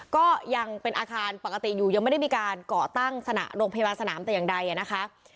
ก็ยังเป็นอาคารปกติอยู่ยังไม่ได้มีการก่อตั้งสนามโรงพยาบาลสนามแต่อย่างใดนะคะ